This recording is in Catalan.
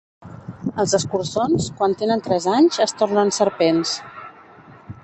Els escurçons, quan tenen tres anys, es tornen serpents.